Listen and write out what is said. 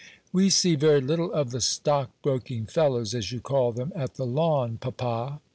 "We see very little of the stockbroking fellows, as you call them, at the Lawn, papa."